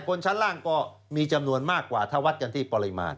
คนชั้นล่างก็มีจำนวนมากกว่าถ้าวัดกันที่ปริมาณ